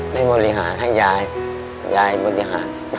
ไม่บริหารให้ยายยายบริหาร